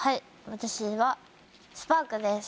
私は『スパーク』です。